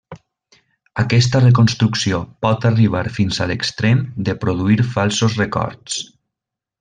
Aquesta reconstrucció pot arribar fins a l'extrem de produir falsos records.